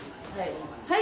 はい。